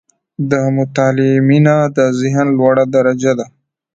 • د مطالعې مینه، د ذهن لوړه درجه ده.